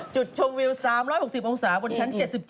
จุดชมวิว๓๖๐องศาบนชั้น๗๗